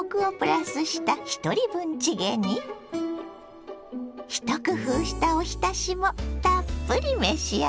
一工夫したおひたしもたっぷり召し上がれ。